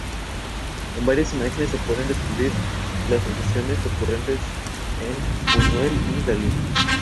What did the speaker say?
Rector del Seminario mayor de Tlalnepantla.